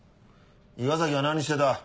伊賀崎は何してた？